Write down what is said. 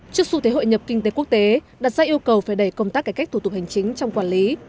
trước xu thế hội nhập kinh tế quốc tế đặt ra yêu cầu phải đẩy công tác cải cách thủ tục hành chính trong quản lý